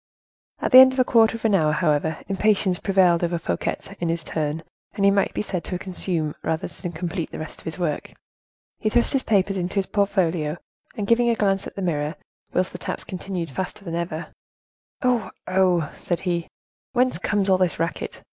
At the end of a quarter of an hour, however, impatience prevailed over Fouquet in his turn: he might be said to consume, rather than to complete the rest of his work; he thrust his papers into his portfolio, and giving a glance at the mirror, whilst the taps continued faster than ever: "Oh! oh!" said he, "whence comes all this racket?